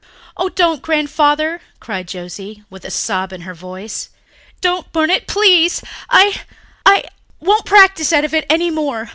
"Oh, don't, Grandfather," cried Joscelyn, with a sob in her voice. "Don't burn it, please. I ... I ... won't practise out of it any more.